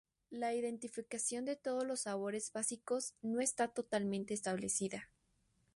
La identificación de todos los sabores básicos no está totalmente establecida.